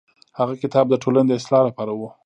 هغه کتاب د ټولنې د اصلاح لپاره و.